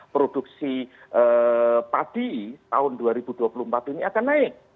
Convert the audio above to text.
produksi padi tahun dua ribu dua puluh empat ini akan naik